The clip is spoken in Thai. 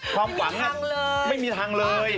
ความหวังไม่มีทางเลย